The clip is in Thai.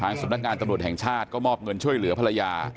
สำนักงานตำรวจแห่งชาติก็มอบเงินช่วยเหลือภรรยา